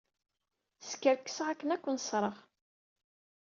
Skerkseɣ akken ad ken-ṣṣreɣ.